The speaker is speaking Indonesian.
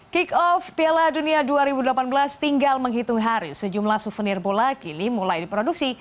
kick off piala dunia dua ribu delapan belas tinggal menghitung hari sejumlah souvenir bola kini mulai diproduksi